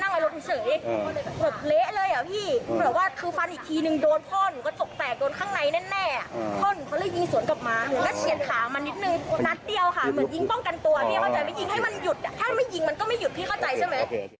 ยิงให้มันหยุดถ้าไม่ยิงมันก็ไม่หยุดพี่เข้าใจใช่ไหม